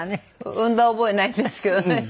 産んだ覚えないですけどね。